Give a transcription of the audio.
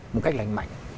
một cách lành mạnh